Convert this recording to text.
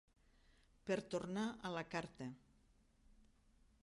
Per tornar a la carta.